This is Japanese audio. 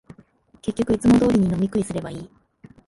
結局、いつも通りに飲み食いすればいい